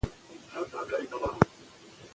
که سهار وي نو کار نه پاتې کیږي.